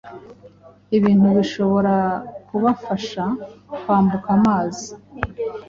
ibintu bishobora kubafasha kwambuka Amazi